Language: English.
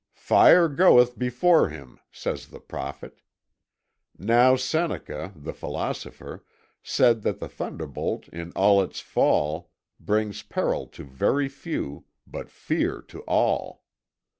'Fire goeth before him,' says the Prophet. Now Seneca, the philosopher, said that the thunderbolt in its fall brings peril to very few, but fear to all.